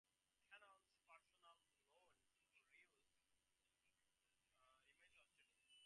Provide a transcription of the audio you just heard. Cannon's personal loan to Ruse remains outstanding.